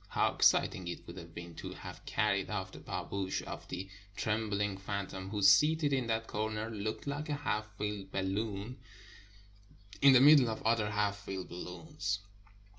How exciting it would have been to have carried off the pahhoush of the trembling phantom, who, seated in that corner, looked like a half filled bal loon in the middle of other half filled balloons.